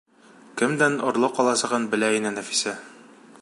Кемдән орлоҡ аласағын белә ине Нәфисә.